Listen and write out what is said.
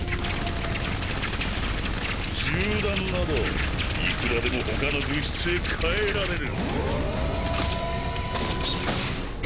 銃弾などいくらでも他の物質へ変えられる。